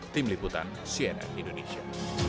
tim liputan siena indonesia